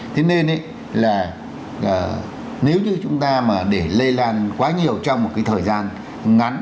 thế nên là nếu như chúng ta mà để lây lan quá nhiều trong một cái thời gian ngắn